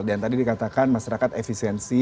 dan tadi dikatakan masyarakat efisiensi